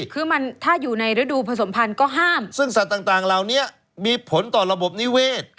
คือมันถ้าอยู่ในฤดูผสมพันธ์ก็ห้ามซึ่งสัตว์ต่างเหล่านี้มีผลต่อระบบนิเวศ